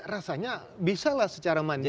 rasanya bisa lah secara mandiri